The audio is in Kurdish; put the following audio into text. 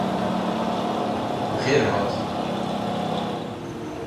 Bi xêr hatî.